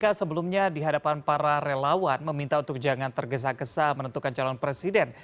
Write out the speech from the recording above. mika sebelumnya dihadapan para relawan meminta untuk jangan tergesa gesa menentukan calon presiden